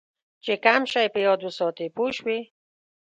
چې کم شی په یاد وساتې پوه شوې!.